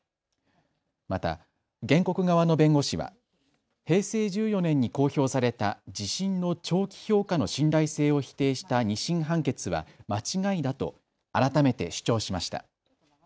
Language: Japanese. また、原告側の弁護士は、平成１４年に公表された地震の長期評価の信頼性を否定した２審判決は間違いだと改めて主張しました。